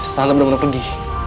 salah bener bener pergi